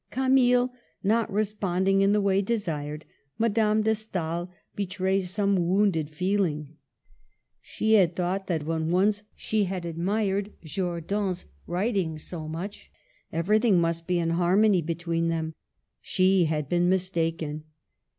Camille not responding in the way desired, Madame de Stael betrays some wounded feeling. She had thought that when once she had admired Jordan's writings so much, everything must be in harmony between them. She had been mistaken.